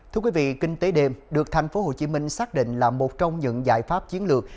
thưa quý vị kinh tế đêm được tp hcm xác định là một trong những giải pháp chiến lược